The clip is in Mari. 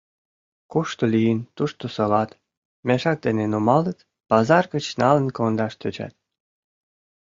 Кушто лийын, тушто солат, мешак дене нумалыт, пазар гыч налын кондаш тӧчат.